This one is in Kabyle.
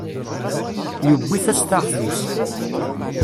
Yuwi tastaɣt-is.